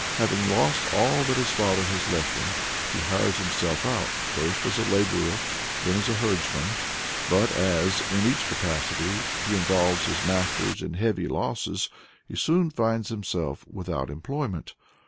Having lost all that his father has left him, he hires himself out, first as a laborer, then as a herdsman. But as, in each capacity, he involves his masters in heavy losses, he soon finds himself without employment.